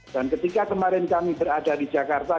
dan ketika kemarin kami berada di jakarta